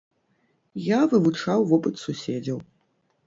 Я вывучаў вопыт суседзяў.